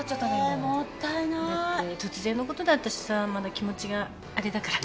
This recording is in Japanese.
だって突然のことだったしさまだ気持ちがあれだから。